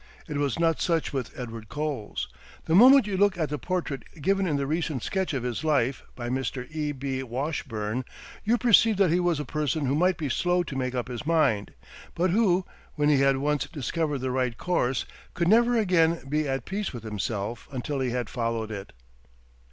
It was not such with Edward Coles. The moment you look at the portrait given in the recent sketch of his life by Mr. E. B. Washburne, you perceive that he was a person who might be slow to make up his mind, but who, when he had once discovered the right course, could never again be at peace with himself until he had followed it.